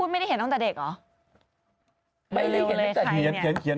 ไม่เอาของคุณแม่ใครขอดูหน่อย